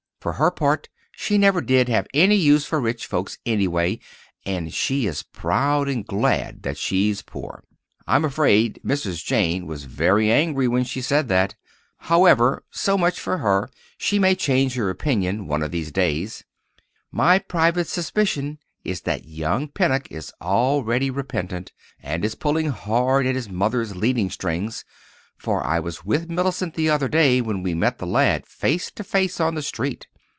For her part, she never did have any use for rich folks, anyway, and she is proud and glad that she's poor! I'm afraid Mrs. Jane was very angry when she said that. However, so much for her—and she may change her opinion one of these days. My private suspicion is that young Pennock is already repentant, and is pulling hard at his mother's leading strings; for I was with Mellicent the other day when we met the lad face to face on the street.